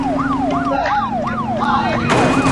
کرني پوهنځۍ په زوره نه تحمیلیږي.